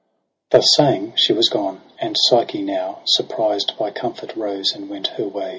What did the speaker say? Thus saying she was gone, and Psyche now Surprised by comfort rose and went her way.